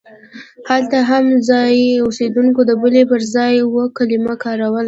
هلته هم ځایي اوسېدونکو د بلې پر ځای اوو کلمه کاروله.